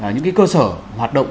những cái cơ sở hoạt động